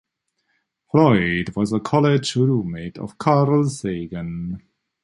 Floyd was a college roommate of Carl Sagan.